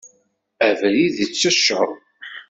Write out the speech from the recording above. Abrid itecceḍ.